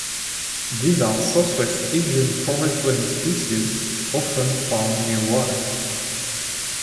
These are southeast Asian forest-dwelling species, often found near water.